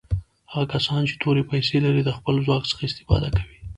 هغه کسان چې تورې پیسي لري د خپل ځواک څخه استفاده کوي.